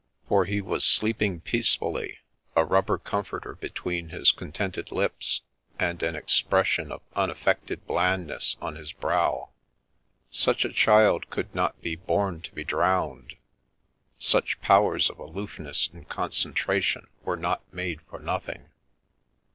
For he was sleeping peacefully, a rubbei comforter between his contented lips, and an expressioi of unaffected blandness on his brow. Such a child coulc not be born to be drowned ; such powers of aloofness an< concentration were not made for nothing!